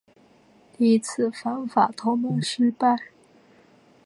第一次反法同盟失败。